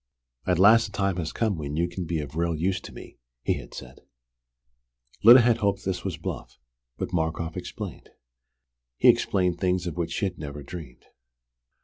"At last the time has come when you can be of real use to me," he had said. Lyda had hoped that this was "bluff." But Markoff explained. He explained things of which she had never dreamed.